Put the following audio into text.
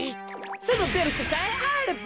そのベルトさえあれば。